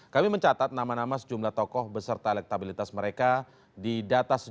kami mencatat nama nama sejumlah tokoh beserta elektabilitas mereka di data sejumlah lembaga survei yang diperlukan